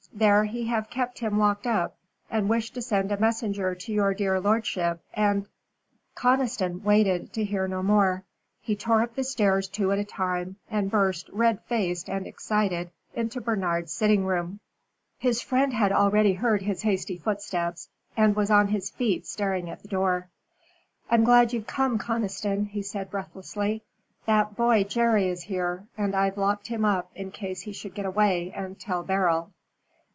There he have kept him locked up, and wished to send a messenger to your dear lordship, and " Conniston waited to hear no more. He tore up the stairs two at a time, and burst red faced and excited into Bernard's sitting room. His friend had already heard his hasty footsteps, and was on his feet staring at the door. "I'm glad you've come, Conniston," he said breathlessly. "That boy Jerry is here, and I've locked him up in case he should get away and tell Beryl."